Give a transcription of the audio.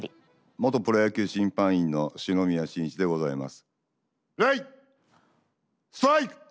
・元プロ野球審判員の篠宮愼一でございます。